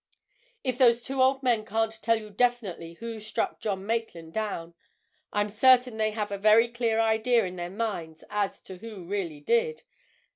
If those two old men can't tell you definitely who actually struck John Maitland down, I'm certain that they have a very clear idea in their minds as to who really did!